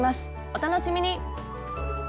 お楽しみに！